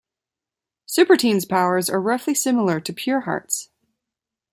Superteen's powers are roughly similar to Pureheart's.